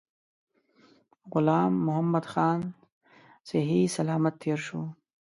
غلام محمدخان صحی سلامت تېر شو.